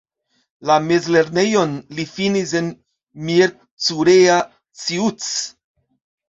La mezlernejon li finis en Miercurea Ciuc.